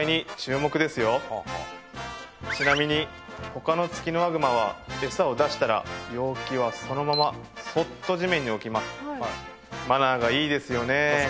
ちなみに他のツキノワグマはエサを出したら容器はそのままそっと地面に置きますマナーがいいですよねえ